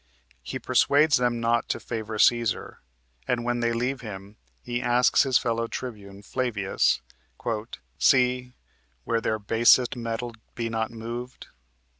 He persuades them not to favor Cæsar, and when they leave him he asks his fellow tribune, Flavius, "See, whe'r their basest metal be not moved?"